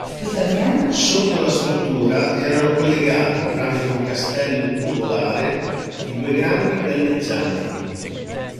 Sotto la struttura erano collegati, tramite un castello tubolare, i due grandi galleggianti.